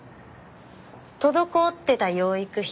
滞ってた養育費